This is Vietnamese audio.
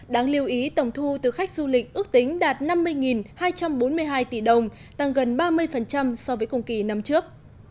đáng lưu ý tổng thu từ khách du lịch ước tính đạt năm mươi hai trăm bốn mươi hai tỷ đồng tăng gần ba mươi so với cùng kỳ năm trước